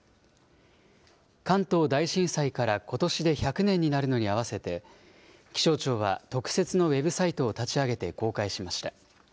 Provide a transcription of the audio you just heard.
関東大震災からことしで１００年になるのに合わせて、気象庁は特設のウェブサイトを立ち上げて公開しました。